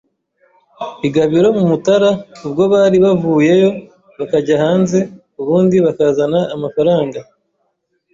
I Gabiro mu Mutara, ubwo bari buveyo bakajya hanze ubundi akazana amafaranga